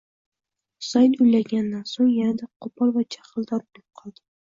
Husayn uylanganidan so`ng yanada qo`pol va jahldor bo`lib qoldi